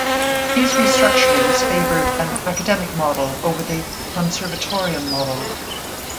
These restructurings favoured an 'Academic Model' over the 'Conservatorium Model'.